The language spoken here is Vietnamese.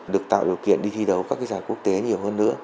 được tạo điều kiện đi thi đấu các giải quốc tế nhiều hơn nữa